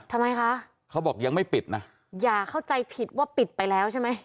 ทำไมคะเขาบอกยังไม่ปิดนะอย่าเข้าใจผิดว่าปิดไปแล้วใช่ไหม